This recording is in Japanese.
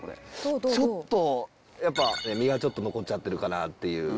ちょっとやっぱ身がちょっと残っちゃってるかなっていう。